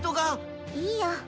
いいよ。